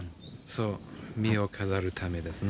そう、身を飾るためですね。